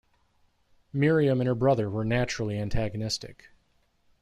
Miriam and her brother were naturally antagonistic.